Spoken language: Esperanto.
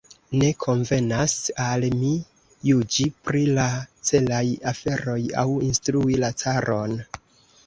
Ne konvenas al mi juĝi pri la caraj aferoj aŭ instrui la caron!